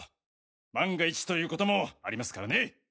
万が一ということもありますからね。